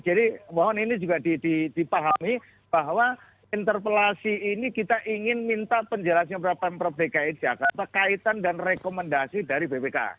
jadi mohon ini juga dipahami bahwa interpelasi ini kita ingin minta penjelasan kepada pemprov dki jakarta kaitan dan rekomendasi dari bpk